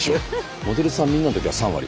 「モデルさんみんな」の時は３割。